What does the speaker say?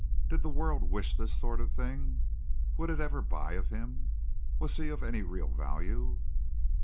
Did the world wish this sort of thing? Would it ever buy of him? Was he of any real value?